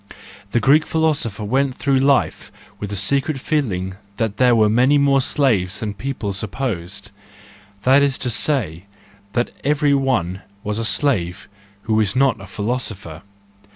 —The Greek philosopher went through life with the secret feeling that there were many more, slaves than people supposed — that is to say, that every one was a slave who was not a philosopher.